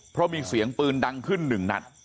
เพราะมีเสียงปืนดังขึ้นหนึ่งนัด